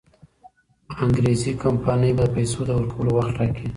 انګریزي کمپانۍ به د پیسو د ورکولو وخت ټاکي.